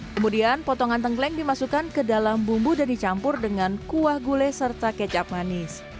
kemudian potongan tengkleng dimasukkan ke dalam bumbu dan dicampur dengan kuah gulai serta kecap manis